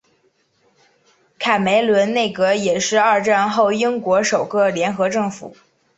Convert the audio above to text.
卡梅伦内阁也是二战后英国首个联合政府。